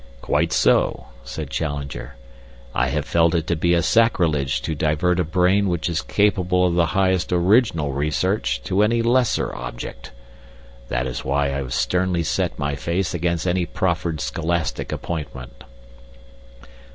"Quite so," said Challenger. "I have felt it to be a sacrilege to divert a brain which is capable of the highest original research to any lesser object. That is why I have sternly set my face against any proffered scholastic appointment."